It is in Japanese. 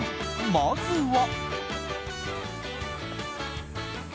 まずは。